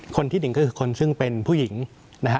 คนที่หนึ่งก็คือคนซึ่งเป็นผู้หญิงนะฮะ